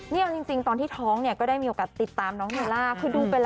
เนี่ยจริงตอนที่ท้องเนี่ยก็ได้มีโอกาสติดตามน้องเนล่า